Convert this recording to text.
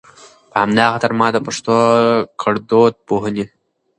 په همدا خاطر ما د پښتو ګړدود پوهنې